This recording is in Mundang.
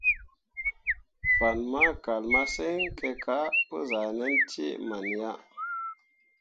Fan ma kal masǝŋ kǝ ka pǝ zah ʼnan cee man ya.